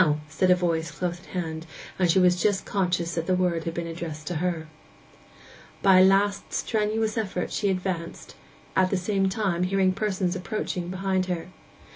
said a voice close at hand, and she was just conscious that the word had been addressed to her. By a last strenuous effort she advanced, at the same time hearing persons approaching behind her.